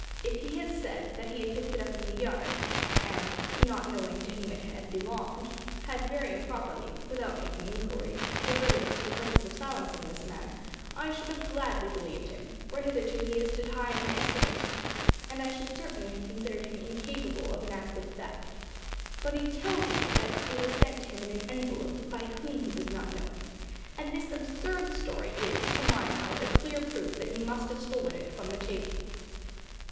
If he had said that he had picked it up in the yard, and, not knowing to whom it belonged, had very improperly, without making inquiry, devoted it to the purpose of silencing this man, I should have gladly believed him for hitherto he has stood high in my estimation, and I should certainly have considered him incapable of an act of theft. But he tells me that it was sent to him in an envelope, by whom he does not know; and this absurd story is, to my mind, a clear proof that he must have stolen it from the table."